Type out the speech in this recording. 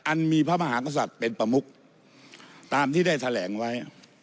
มีพระมหากษัตริย์เป็นประมุกตามที่ได้แถลงไว้